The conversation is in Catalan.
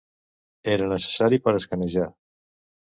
Era necessari per escanejar.